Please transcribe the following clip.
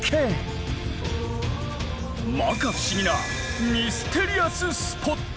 摩訶不思議なミステリアススポット。